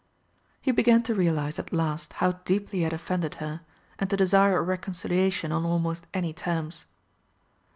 He began to realise at last how deeply he had offended her, and to desire a reconciliation on almost any terms.